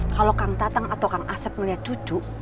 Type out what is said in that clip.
kalau kang tatang atau kang asep melihat cucu